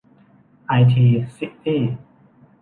ไอที ซิตี้